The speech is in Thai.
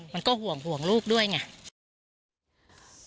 มันก็ห่วงห่วงลูกด้วยไง